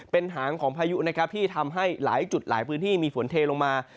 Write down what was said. เป็นหางของพายุนะครับที่ทำให้หลายจุดหลายพื้นที่มีฝนเทลงมา